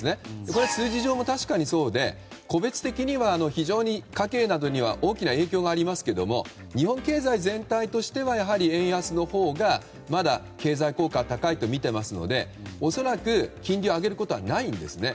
これは数字上も確かにそうで個別的には非常に家計などには大きな影響がありますが日本経済全体としては円安のほうがまだ経済効果は高いとみていますので恐らく、金利を上げることはないんですね。